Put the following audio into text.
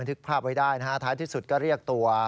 ท้ายที่สุดก็เรียกตัว